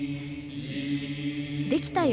「できたよ